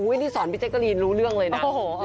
นี่สอนพี่แจกรีนรู้เรื่องเลยนะ